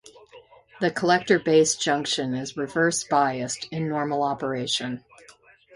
The collector-base junction is reverse biased in normal operation.